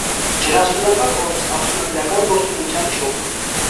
Ջրասուզական գործ, արդյունաբերական գործունեության ճյուղ։